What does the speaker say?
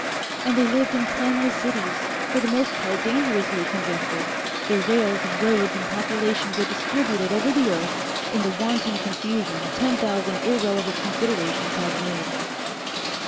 And they lived in planless cities, for the most part dangerously congested; their rails and roads and population were distributed over the earth in the wanton confusion ten thousand irrevelant considerations had made.